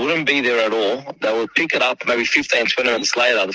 dan hanya saat kita tidak memiliki pilihan